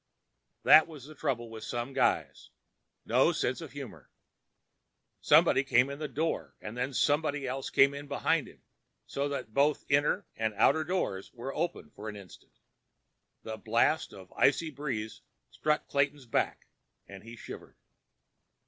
That was the trouble with some guys. No sense of humor. Somebody came in the door and then somebody else came in behind him, so that both inner and outer doors were open for an instant. A blast of icy breeze struck Clayton's back, and he shivered.